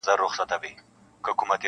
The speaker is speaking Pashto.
• هره ورځ به یې کوله پروازونه -